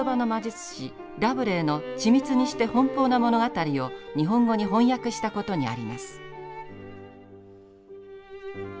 ラブレーの緻密にして奔放な物語を日本語に翻訳したことにあります。